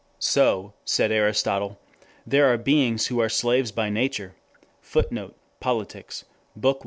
So, said Aristotle, there are beings who are slaves by nature. [Footnote: Politics, Bk.